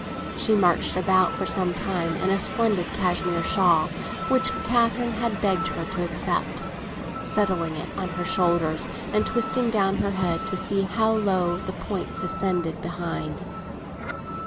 She marched about for some time in a splendid cashmere shawl, which Catherine had begged her to accept, settling it on her shoulders, and twisting down her head to see how low the point descended behind.